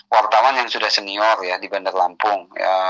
wartawan yang sudah senior ya di bandar lampung